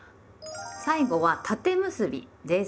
最後は「縦結び」です。